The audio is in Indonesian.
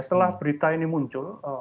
setelah berita ini muncul